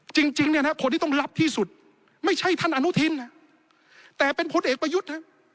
จริงเนี่ยนะคนที่ต้องรับที่สุดไม่ใช่ท่านอนุทินนะแต่เป็นพลเอกประยุทธ์นะ